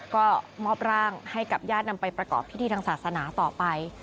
ก็มอบร่างให้กับญาตินำไปประกอบพิธีทางศาสนาต่อไป